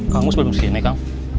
kamu sebelum ini gimana